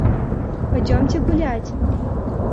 Пойдемте гулять.